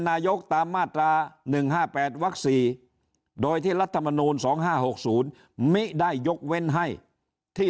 นายกตามมาตรา๑๕๘วัก๔โดยที่รัฐมนูล๒๕๖๐มิได้ยกเว้นให้ที่